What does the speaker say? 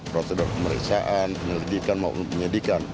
prosedur pemeriksaan penyelidikan maupun penyidikan